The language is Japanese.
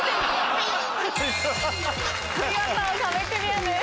見事壁クリアです。